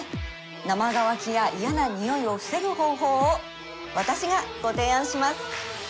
生乾きや嫌なにおいを防ぐ方法を私がご提案します